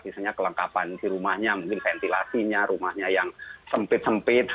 misalnya kelengkapan di rumahnya mungkin ventilasinya rumahnya yang sempit sempit